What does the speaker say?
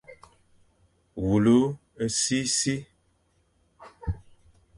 Wule sisi,